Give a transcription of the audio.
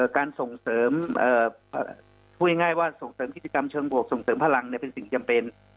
การส่งเสริมพูดง่ายว่าส่งเสริมกิจกรรมเชิงบวกส่งเสริมพลังเป็นสิ่งจำเป็น